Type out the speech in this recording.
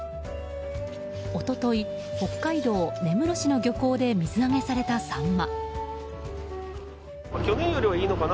一昨日、北海道根室市の漁港で水揚げされたサンマ。